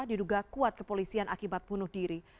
diduga kuat kepolisian akibat bunuh diri